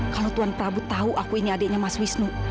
kalau tuan prabu tahu aku ini adiknya mas wisnu